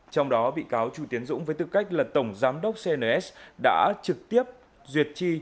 trong đó bị cáo chu tiến dũng với tư cách là tổng giám đốc cns đã trực tiếp duyệt chi